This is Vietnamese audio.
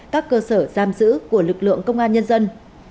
các cơ sở giam giữ của lực lượng công an nhân dân